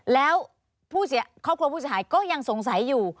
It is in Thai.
แล้วครอบครัวผู้เสียหายก็ยังสงสัยอยู่